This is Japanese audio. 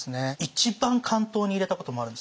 一番巻頭に入れたこともあるんですよ。